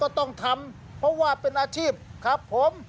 ต้องทำเพราะว่าเป็นอาชีพครับผม